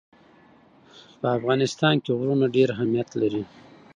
په افغانستان کې غرونه ډېر اهمیت لري.